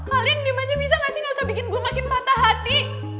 kalian dimaja bisa ga sih gausah bikin gue makin patah hati